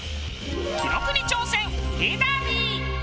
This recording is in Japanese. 記録に挑戦へぇダービー。